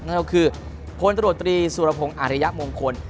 นั่นก็คือพลตรวจตรีสุรพงศ์อาริยมงคล